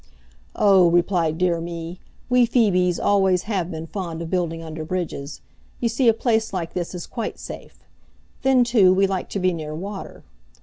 "Oh," replied Dear Me, "we Phoebes always have been fond of building under bridges. You see a place like this is quite safe. Then, too, we like to be near water.